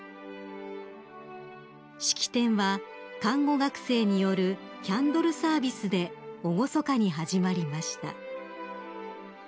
［式典は看護学生によるキャンドルサービスで厳かに始まりました］